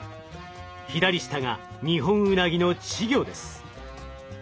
左下がニホンウナギの稚魚です。